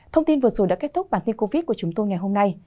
thông tin vừa rồi đã kết thúc bản tin covid của chúng tôi ngày hôm nay